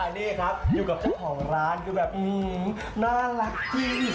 นี่ครับอยู่กับเจ้าของร้านคือแบบน่ารักจริง